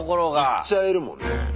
いっちゃえるもんね。